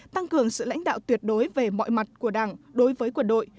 tăng cường sự lãnh đạo tuyệt đối về mọi mặt của đảng đối với quân đội